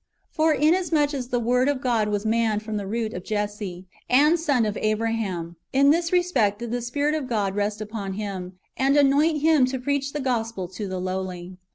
^ For inasmuch as the Word of God was man from the root of Jesse, and son of Abraham, in this respect did the Spirit of God rest upon Him, and anoint Him to preach the gospel to the lowly.